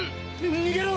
逃げろ！